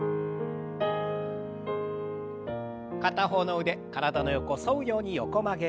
片方の腕体の横沿うように横曲げ。